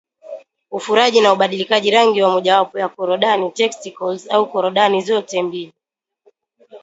Ufuraji na ubadilikaji rangi wa mojawapo ya korodani testicles au korodani zote mbili